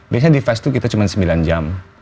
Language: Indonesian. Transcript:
biasanya di fast itu kita cuma sembilan jam